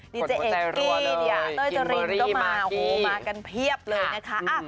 ดีใจเองกี้เดี๋ยวจะรีนด้วยมาโอ้โหมากันเพียบเลยนะคะอ่ะ